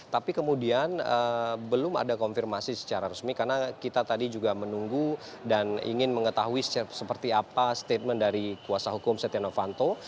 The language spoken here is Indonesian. tapi kemudian belum ada konfirmasi secara resmi karena kita tadi juga menunggu dan ingin mengetahui seperti apa statement dari kuasa hukum setia novanto